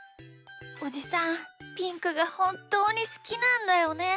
おじさんピンクがほんっとうにすきなんだよね。